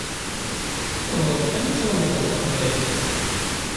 Tebɣiḍ kan ad tlemdeḍ taqbaylit.